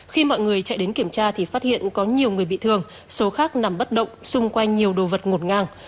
khi mọi người chạy đến kiểm tra thì phát hiện có nhiều người bị thương số khác nằm bất động xung quanh nhiều đồ vật ngột ngang